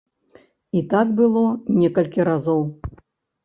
І так было некалькі разоў.